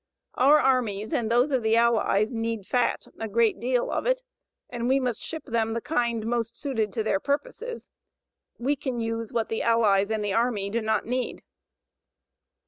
OUR ARMIES AND THOSE OF THE ALLIES NEED FAT, A GREAT DEAL OF IT, AND WE MUST SHIP THEM THE KIND MOST SUITED TO THEIR PURPOSES. WE CAN USE WHAT THE ALLIES AND THE ARMY DO NOT NEED.